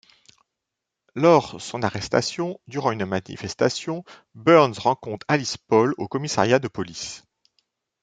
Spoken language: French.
Lors son arrestation durant une manifestation, Burns rencontre Alice Paul au commisariat de police.